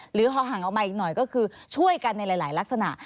ฮอห่างออกมาอีกหน่อยก็คือช่วยกันในหลายลักษณะ